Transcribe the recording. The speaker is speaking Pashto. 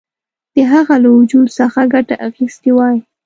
د هغه له وجود څخه ګټه اخیستې وای.